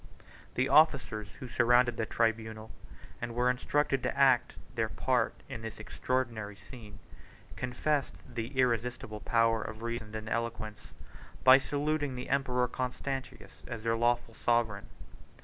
The officers, who surrounded the tribunal, and were instructed to act their part in this extraordinary scene, confessed the irresistible power of reason and eloquence, by saluting the emperor Constantius as their lawful sovereign.